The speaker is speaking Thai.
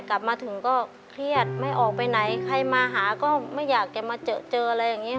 กลับมาถึงก็เครียดไม่ออกไปไหนใครมาหาก็ไม่อยากจะมาเจอเจออะไรอย่างนี้